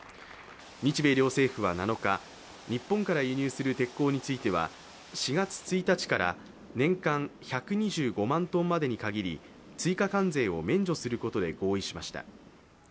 日米両政府は７日、日本から輸入する鉄鋼については４月１日から年間１２５万ｔまでに限り追加関税を免除することで合意しました。